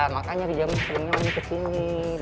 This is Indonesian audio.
makanya di jam seling seling ke sini